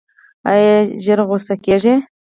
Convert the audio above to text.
ایا ژر غوسه کیږئ؟